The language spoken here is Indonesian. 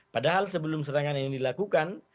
padahal sebelum serangan ini dilakukan